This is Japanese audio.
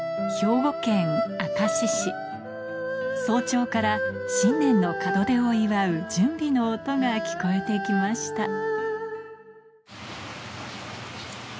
早朝から新年の門出を祝う準備の音が聞こえて来ました